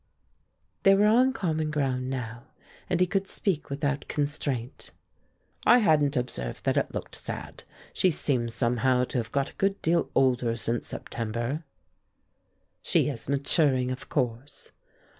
They were on common ground now, and he could speak without constraint. "I hadn't observed that it looked sad. She seems somehow to have got a good deal older since September." "She is maturing, of course."